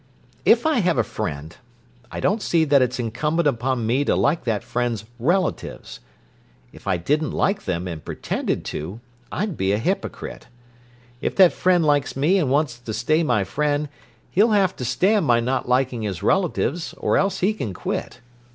If I have a friend, I don't see that it's incumbent upon me to like that friend's relatives. If I didn't like them, and pretended to, I'd be a hypocrite. If that friend likes me and wants to stay my friend he'll have to stand my not liking his relatives, or else he can quit.